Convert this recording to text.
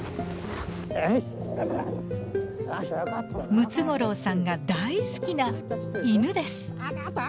ムツゴロウさんが大好きな犬です。